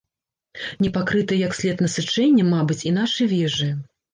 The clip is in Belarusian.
Не пакрытыя як след насычэннем, мабыць, і нашы вежы.